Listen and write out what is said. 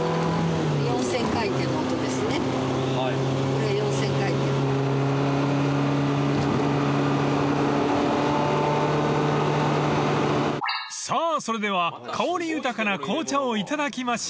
「これ４０００回転」［さぁそれでは香り豊かな紅茶を頂きましょう］